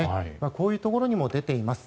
こういうところにも出ています。